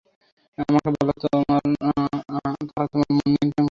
আমাকে বল, তারা তোমার মন নিয়ন্ত্রণ করেছে।